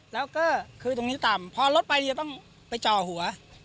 แล้วก็คือตรงนี้ต่ำพอรถไปจะต้องไปจ่อหัว